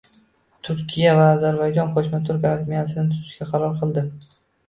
Turkiya va Ozarbayjon qo‘shma turk armiyasini tuzishga qaror qildi